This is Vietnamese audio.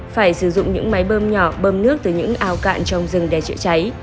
phải sử dụng những máy bơm nhỏ bơm nước từ những ao cạn trong rừng để chữa cháy